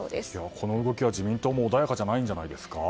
この動きは自民党も穏やかじゃないんじゃないですか。